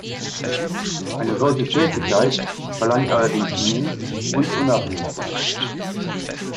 Eine solche Tätigkeit verlangt allerdings Mut und Unabhängigkeit.